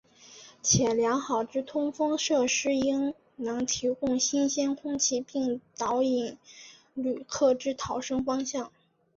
且良好之通风设施应能提供新鲜空气并导引旅客之逃生方向。